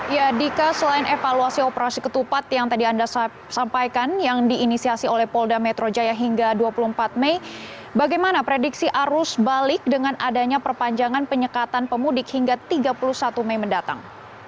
ya dika selain evaluasi operasi ketupat yang tadi anda sampaikan yang diinisiasi oleh polda metro jaya hingga dua puluh empat mei bagaimana prediksi arus balik dengan adanya perpanjangan penyekatan pemudik hingga tiga puluh satu mei mendatang